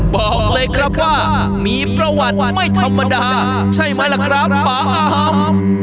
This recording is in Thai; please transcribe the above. บอกเลยครับว่ามีประวัติไม่ธรรมดาใช่ไหมล่ะครับป่าอาม